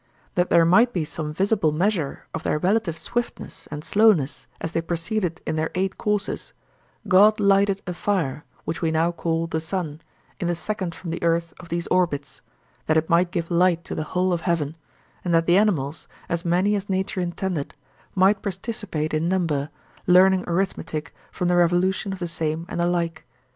That there might be some visible measure of their relative swiftness and slowness as they proceeded in their eight courses, God lighted a fire, which we now call the sun, in the second from the earth of these orbits, that it might give light to the whole of heaven, and that the animals, as many as nature intended, might participate in number, learning arithmetic from the revolution of the same and the like.